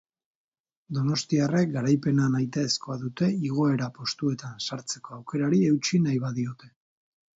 Donostiarrek garaipena nahitaezkoa dute igorra postuetan sartzeko aukerari eutsi nahi badiote.